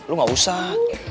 lo gak usah